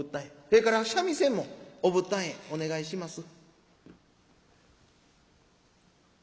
それから三味線もお仏壇へお願いします」。